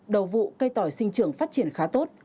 đầu vụ cây tỏi sinh trưởng phát triển khá tốt